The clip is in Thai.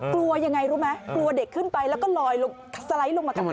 กลัวยังไงรู้ไหมกลัวเด็กขึ้นไปแล้วก็ลอยลงสไลด์ลงมากับใคร